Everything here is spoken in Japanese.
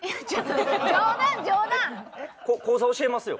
口座教えますよ。